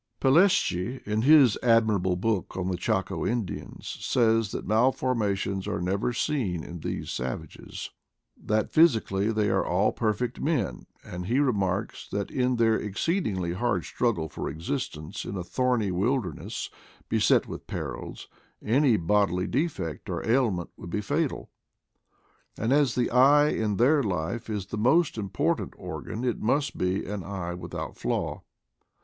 Pelleschi, in his admirable book on the Chaco Indians, says that malformations are never seen in these savages, that physically they are all per fect men ; and he remarks that in their exceedingly hard struggle for existence in a thorny wilderness, beset with perils, any bodily defect or ailment would be fatal. And as the eye in their life is the most important organ, it must be an eye with out flaw.